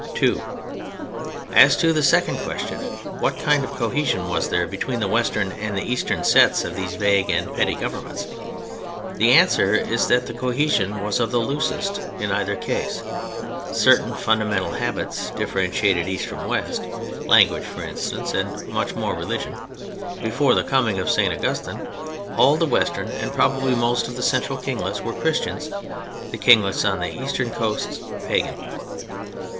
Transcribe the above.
(2) As to the second question: What kind of cohesion was there between the western or the eastern sets of these vague and petty governments? The answer is that the cohesion was of the loosest in either case. Certain fundamental habits differentiated East from West, language, for instance, and much more religion. Before the coming of St. Augustine, all the western and probably most of the central kinglets were Christians; the kinglets on the eastern coasts Pagan.